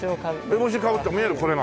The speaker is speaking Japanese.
烏帽子かぶった見えるこれが。